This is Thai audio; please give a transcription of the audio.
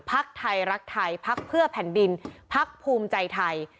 ภักดิ์ไทยรักไทยภักดิ์เพื่อแผ่นดินภักดิ์ภูมิใจไทย